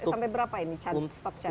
sampai berapa ini stok cadangan